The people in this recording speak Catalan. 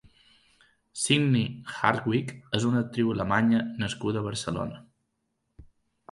Sidney Hartwig és una actriu alemanya nascuda a Barcelona.